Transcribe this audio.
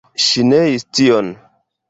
Ŝi neis tion.